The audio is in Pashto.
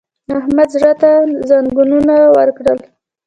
احمد زړه ته زنګنونه ورکړل!